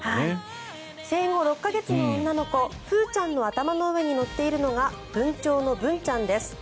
生後６か月の女の子ふーちゃんの頭の上に乗っているのがブンチョウのブンちゃんです。